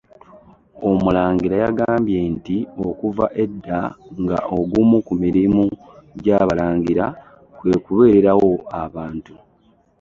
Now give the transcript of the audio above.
Omulangira yagambye nti okuva edda nga ogumu ku mirimu gy'Abalangira kwe kubeererawo abantu